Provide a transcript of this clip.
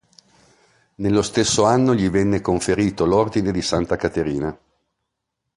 Nello stesso anno gli venne conferito l'Ordine di Santa Caterina.